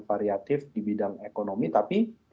variatif di bidang ekonomi tapi